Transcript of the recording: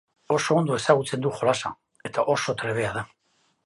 Oso ondo ezagutzen du jolasa, eta oso trebea da.